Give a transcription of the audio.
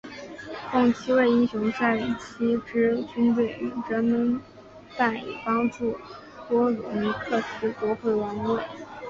共七位英雄率领七支军队远征忒拜以帮助波吕尼克斯夺回王位。